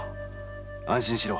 安心しろ。